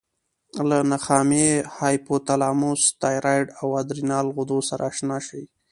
له نخامیې، هایپوتلاموس، تایرایډ او ادرینال غدو سره آشنا شئ.